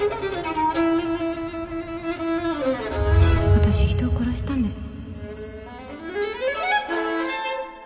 私人を殺したんです